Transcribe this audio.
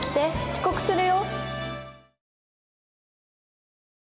遅刻するよ。